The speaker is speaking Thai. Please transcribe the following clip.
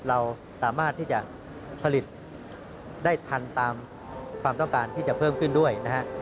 เราสามารถที่จะผลิตได้ทันตามความต้องการที่จะเพิ่มขึ้นด้วยนะฮะ